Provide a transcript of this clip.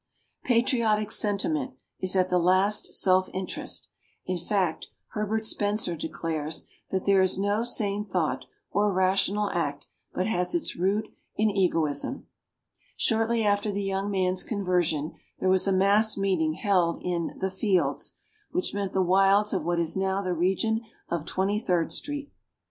Patriotic sentiment is at the last self interest; in fact, Herbert Spencer declares that there is no sane thought or rational act but has its root in egoism. Shortly after the young man's conversion, there was a mass meeting held in "The Fields," which meant the wilds of what is now the region of Twenty third Street.